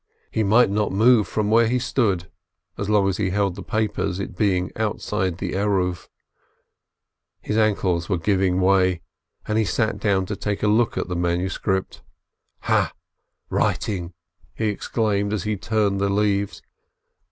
He might not move from where he stood, so long as he held the papers, THE KAV AND THE EAV'S SON 445 it being outside the Eruv. His ankles were giving way, and he sat down to have a look at the manuscript. "Aha! Writing!" he exclaimed as he turned the leaves.